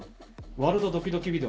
ワールドドキドキビデオ。